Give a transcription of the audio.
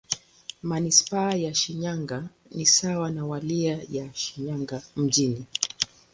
Manisipaa ya Shinyanga ni sawa na Wilaya ya Shinyanga Mjini.